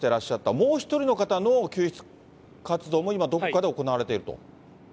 もう１人の方の救出活動も、今、どこかで行われていると。